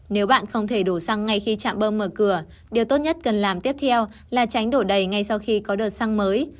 nếu bạn không thể đổ xăng ngay khi chạm bơm mở cửa điều tốt nhất cần làm tiếp theo là tránh đổ đầy ngay sau khi có đợt xăng mới